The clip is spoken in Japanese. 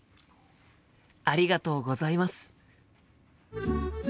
ありがとうございます。